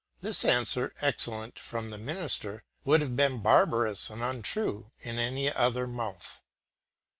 This answer, excellent from the minister, would have been barbarous and untrue in any other mouth.